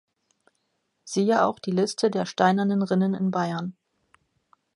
Siehe auch die Liste der Steinernen Rinnen in Bayern.